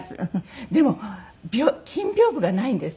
でも金屏風がないんですよ。